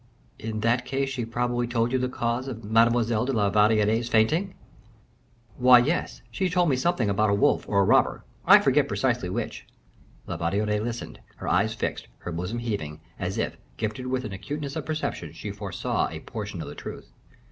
"In that case, she probably told you the cause of Mademoiselle de la Valliere's fainting?" "Why, yes; she told me something about a wolf or a robber. I forget precisely which." La Valliere listened, her eyes fixed, her bosom heaving, as if, gifted with an acuteness of perception, she foresaw a portion of the truth.